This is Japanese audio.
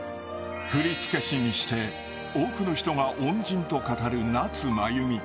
振付師にして多くの人が恩人と語る夏まゆみ。